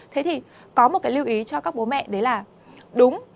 thế thì có một cái lưu ý cho các bố mẹ đấy là đúng